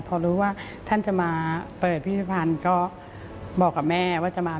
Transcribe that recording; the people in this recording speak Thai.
พอรู้ว่าท่านจะมาเปิดพิธภัณฑ์ก็บอกกับแม่ว่าจะมา